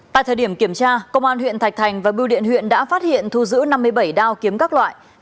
tại thời điểm kiểm tra công an huyện thạch thành và biêu điện huyện đã phát hiện thu giữ năm mươi bảy đao kiếm các loại